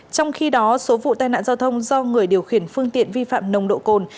trong khi đó số vụ tai nạn giao thông do người điều khiển phương tiện vi phạm nồng độ cồn